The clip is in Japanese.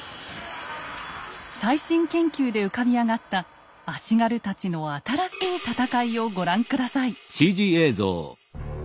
最新研究で浮かび上がった足軽たちの新しい戦いをご覧下さい。